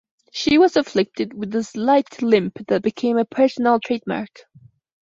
She was afflicted with a slight limp that became a personal trademark.